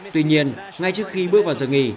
tuy nhiên ngay trước khi bước vào giờ nghỉ